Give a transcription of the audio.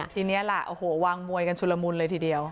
ทีนี้ล่ะโอ้โหวางมวยกันชุลมุนเลยทีเดียว